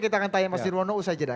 kita akan tanya mas nirwono usai jeda